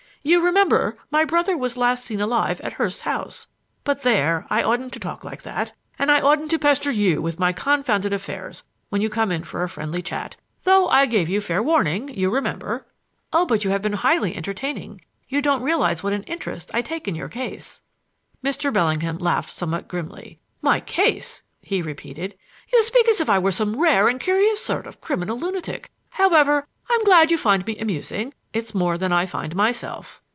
You remember, my brother was last seen alive at Hurst's house but there, I oughtn't to talk like that, and I oughtn't to pester you with my confounded affairs when you come in for a friendly chat, though I gave you fair warning, you remember." "Oh, but you have been highly entertaining. You don't realize what an interest I take in your case." Mr. Bellingham laughed somewhat grimly. "My case!" he repeated. "You speak as if I were some rare and curious sort of criminal lunatic. However, I'm glad you find me amusing. It's more than I find myself."